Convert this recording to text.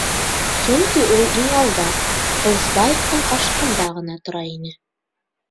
Сөнки ул иң алда, Ҡылысбаевтың ҡаршыһында ғына, тора ине.